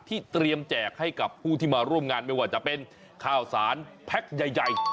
เตรียมแจกให้กับผู้ที่มาร่วมงานไม่ว่าจะเป็นข้าวสารแพ็คใหญ่